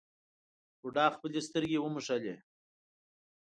بوډا خپلې سترګې وموښلې.